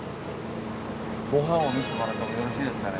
ご飯を見せてもらってもよろしいですかね？